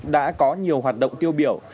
đã có nhiều hoạt động tiêu biểu